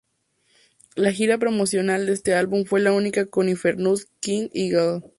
La gira promocional de este álbum fue la última con Infernus, King y Gaahl.